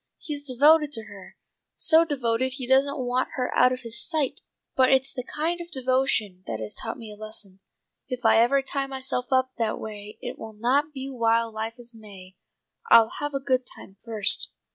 He's devoted to her, so devoted he doesn't want her out of his sight; but it's the kind of devotion that has taught me a lesson. If ever I tie myself up that way it will not be while life is May. I'll have a good time first."